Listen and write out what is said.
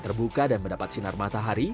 terbuka dan mendapat sinar matahari